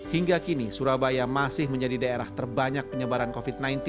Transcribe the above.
hingga kini surabaya masih menjadi daerah terbanyak penyebaran covid sembilan belas